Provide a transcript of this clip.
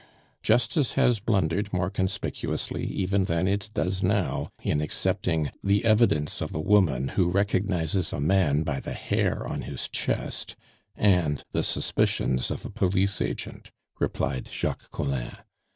"Justice has blundered more conspicuously even than it does now in accepting the evidence of a woman who recognizes a man by the hair on his chest and the suspicions of a police agent," replied Jacques Collin.